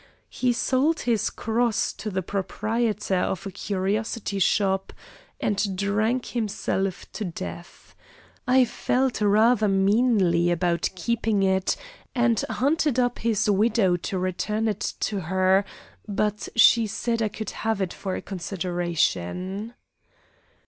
He sold his cross to the proprietor of a curiosity shop and drank himself to death. I felt rather meanly about keeping it and hunted up his widow to return it to her, but she said I could have it for a consideration.